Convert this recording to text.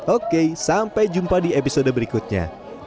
oke sampai jumpa di episode berikutnya